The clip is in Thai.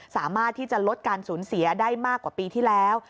สามารถที่จะลดการสูญเสียได้มากกว่าปีที่แล้ว